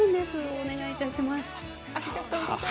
お願いいたします。